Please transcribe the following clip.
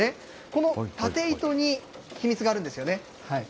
この縦糸に秘密があるんですよね？